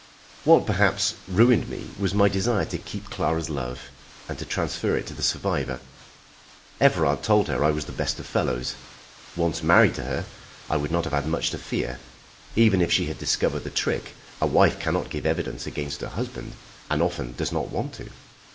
What, perhaps, ruined me was my desire to keep Clara's love, and to transfer it to the survivor. Everard told her I was the best of fellows. Once married to her, I would not have had much fear. Even if she had discovered the trick, a wife cannot give evidence against her husband, and often does not want to.